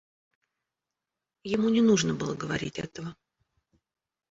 Ему не нужно было говорить этого.